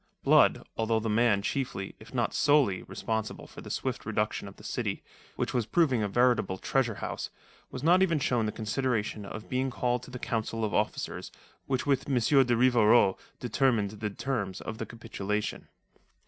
Blood, although the man chiefly, if not solely, responsible for the swift reduction of the city, which was proving a veritable treasure house, was not even shown the consideration of being called to the council of officers which with M. de Rivarol determined the terms of the capitulation.